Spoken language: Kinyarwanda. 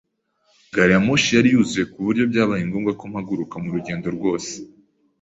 Gariyamoshi yari yuzuye ku buryo byabaye ngombwa ko mpaguruka mu rugendo rwose.